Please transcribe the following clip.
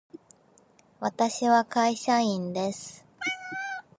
私は会社員です。